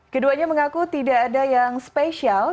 keduanya mengaku tidak ada yang spesial